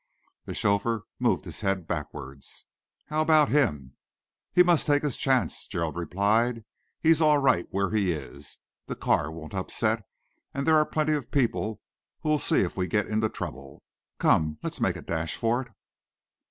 The chauffeur moved his head backwards. "How about him?" "He must take his chance," Gerald replied. "He's all right where he is. The car won't upset and there are plenty of people who'll see if we get into trouble. Come, let's make a dash for it."